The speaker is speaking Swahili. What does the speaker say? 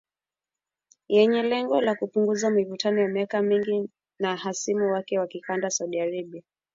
yenye lengo la kupunguza mivutano ya miaka mingi na hasimu wake wa kikanda Saudi Arabia